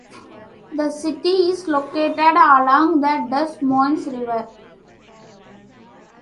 The city is located along the Des Moines River.